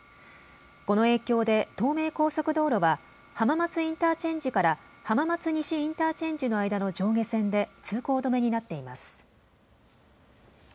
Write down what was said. この影響で東名高速道路は浜松インターチェンジから浜松西インターチェンジの間の上下線で通行止めになっています。